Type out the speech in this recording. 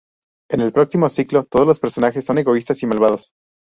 En el próximo ciclo, todos los personajes son egoístas y malvados.